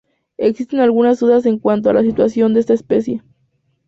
Existen algunas dudas en cuanto a la situación de esta especie.